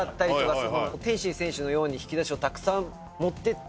天心選手のように引き出しをたくさん持ってって。